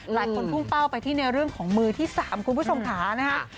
หลักคนพุ่งเป้าไปที่ในเรื่องของมือที่๓คุณผู้ชมภานะครับ